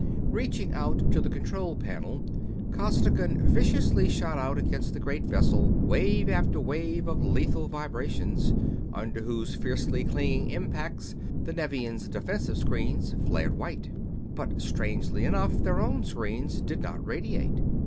Reaching out to the control panel, Costigan viciously shot out against the great vessel wave after wave of lethal vibrations, under whose fiercely clinging impacts the Nevian defensive screens flared white; but, strangely enough, their own screens did not radiate.